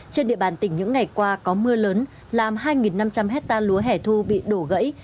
trên địa bàn tỉnh những ngày qua có mưa lớn làm hai năm trăm linh hectare lúa hẻ thu bị đổ gãy